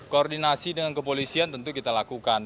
koordinasi dengan kepolisian tentu kita lakukan